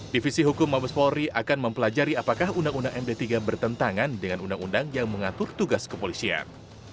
divisi hukum mabes polri akan mempelajari apakah undang undang md tiga bertentangan dengan undang undang yang mengatur tugas kepolisian